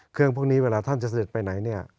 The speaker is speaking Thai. พวกนี้เวลาท่านจะเสด็จไปไหนเนี่ย